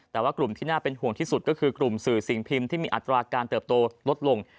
แต่ว่ากลุ่มที่น่าเป็นห่วงที่สุดก็คือกลุ่มสื่อสิ่งพิมพ์ที่มีอัตราการเติบโตลดลง